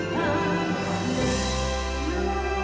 ทางน้ำ